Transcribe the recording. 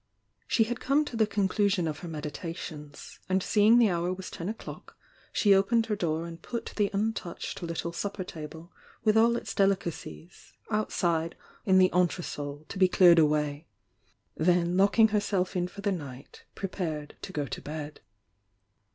She had come to the conclusion of her meditations, and seeing the hour was ten o'clock, die opened her door and put the untouched little supper table with all its delicacies outside in the entresol to be cleared away; then locking herself in for the night, prepared to go to bed.